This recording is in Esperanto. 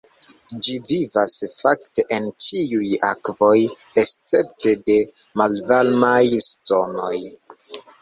Ĝi vivas fakte en ĉiuj akvoj, escepte de malvarmaj zonoj.